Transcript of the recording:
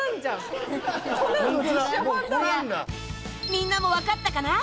みんなも分かったかな？